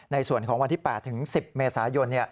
ในส่วนของวันที่๘ถึง๑๐เมษายน